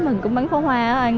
mình cũng bán pháo hoa